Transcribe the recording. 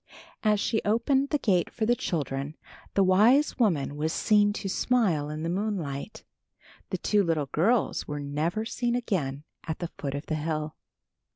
As she opened the gate for the children, the wise woman was seen to smile in the moonlight. The two little girls were never seen again at the foot of the hill.